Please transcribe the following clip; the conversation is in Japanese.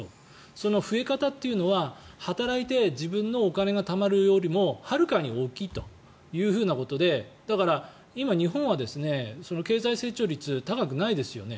その増え方というのは働いて自分のお金がたまるよりもはるかに大きいということでだから今、日本は経済成長率、高くないですよね。